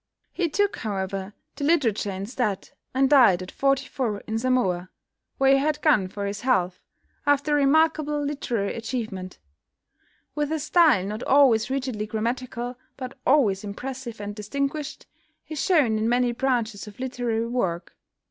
He took, however, to literature instead, and died at forty four in Samoa, where he had gone for his health, after a remarkable literary achievement. With a style not always rigidly grammatical, but always impressive and distinguished, he shone in many branches of literary work.